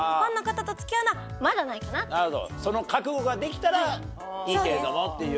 その覚悟ができたらいいけれどもっていうような。